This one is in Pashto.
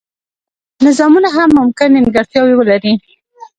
نظامونه هم ممکن نیمګړتیاوې ولري.